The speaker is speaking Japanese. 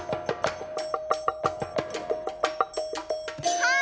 はい！